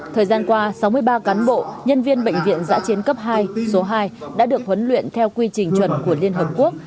thời gian qua sáu mươi ba cán bộ nhân viên bệnh viện giã chiến cấp hai số hai đã được huấn luyện theo quy trình chuẩn của liên hợp quốc